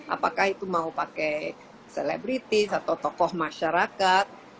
apakah itu mau pakai selebritis atau tokoh masyarakat